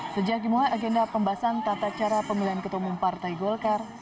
sejak dimulai agenda pembahasan tata cara pemilihan ketua umum partai golkar